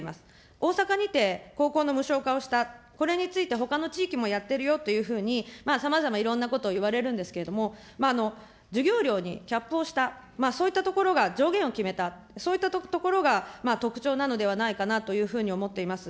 大阪にて、高校の無償化をした、これについてほかの地域もやっているよというふうに、さまざまいろんなことを言われるんですけれども、授業料にキャップをした、そういったところが上限を決めた、そういったところが特徴なのではないかというふうに思っています。